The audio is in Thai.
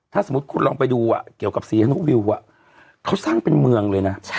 ถ้าสมมุติคุณลองไปดูว่ะเกี่ยวกับสีเค้าสร้างเป็นเมืองเลยนะ